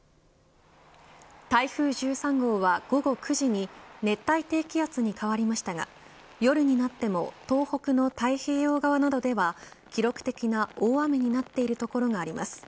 台風１３号は、午後９時に熱帯低気圧に変わりましたが夜になっても東北の太平洋側などでは記録的な大雨になっている所があります。